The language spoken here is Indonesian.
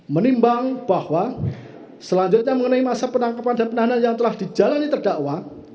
menimbang bahwa selanjutnya mengenai masa penangkapan dan penahanan yang telah dijalani terdakwa